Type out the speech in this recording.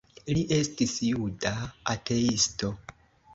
Li estis juda ateisto.